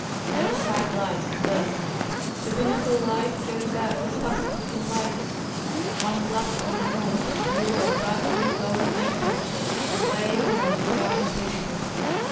No side lights can burn ; the binnacle light goes out as fast as we can light it. One blast from the north blew our brand new lower maintopsail away like brown paper.